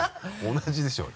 同じでしょう。